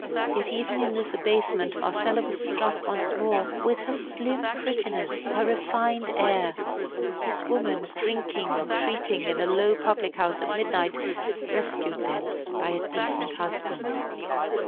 Yet even in this abasement Marcella was struck once more with her slim prettiness, her refined air. This woman drinking and treating in a low public house at midnight! rescued thence by a decent husband!